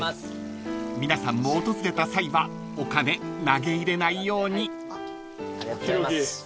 ［皆さんも訪れた際はお金投げ入れないように］